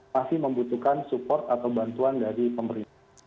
masih membutuhkan support atau bantuan dari pemerintah